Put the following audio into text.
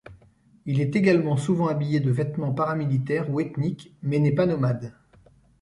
Il est également souvent habillé de vêtements paramilitaires ou ethniques mais n'est pas nomade.